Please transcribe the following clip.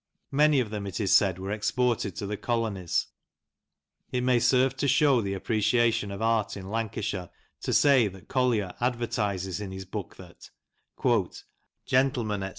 Many of them, it is said, were exported to the colonies. It may serve to show the appreciation of art in Lancashire to say that Collier advertises in his book that: — "Gentle men, &c.